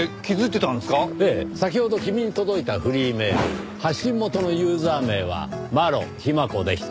先ほど君に届いたフリーメール発信元のユーザー名は「ＭＡＲＯＨＩＭＡＫＯ」でした。